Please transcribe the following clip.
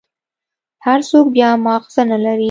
هر سوک بيا مازغه نلري.